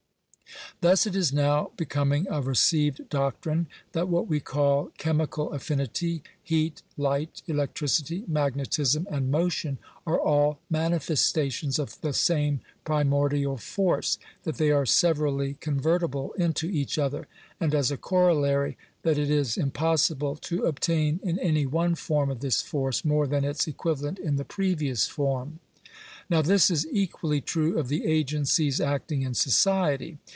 Thus it is now be* coming a received doctrine, that what we call chemical affinity, heat, light, electricity, magnetism, and motion, are all mani festations of the same primordial force — that they are severally convertible into each other — and, as a corollary, that it is im possible to obtain in any one form of this force more than its equivalent in the previous form. Now this is equally true of the agencies acting in society.